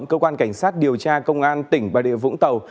cơ quan cảnh sát điều tra công an tỉnh bà địa vũng tàu